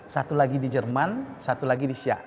satu lagi di jerman satu lagi di syia